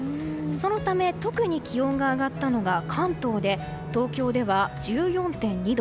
そのため特に気温が上がったのが関東で東京では１４．２度。